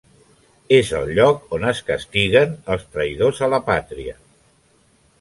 És el lloc on es castiguen els traïdors a la pàtria.